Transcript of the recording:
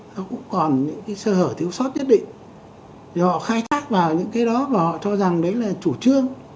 nói chung là những cái hở thiếu sót nhất định họ khai thác vào những cái đó và họ cho rằng đấy là chủ trương